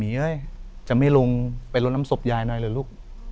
หมี่เอ้ยจะไม่ลงไปล้นล้ำศพยายหน่อยเลยลูก